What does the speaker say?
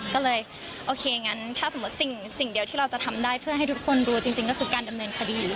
ก็เลยโอเคงั้นถ้าสมมุติสิ่งเดียวที่เราจะทำได้เพื่อให้ทุกคนรู้จริงก็คือการดำเนินคดี